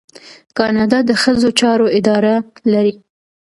کاناډا د ښځو چارو اداره لري.